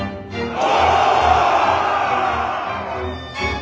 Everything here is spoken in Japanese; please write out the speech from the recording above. お！